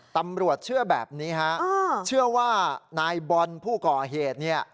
ตำรวจเชื่อแบบนี้ฮะเชื่อว่านายบอลผู้ก่อเหตุเนี่ย